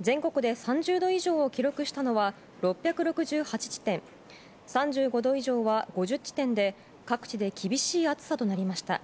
全国で３０度以上を記録したのは６６８地点３５度以上は５０地点で各地で厳しい暑さとなりました。